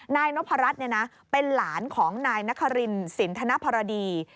นายนพรรดิเนี่ยนะเป็นหลานของนายนครินศิลป์ธนภรดี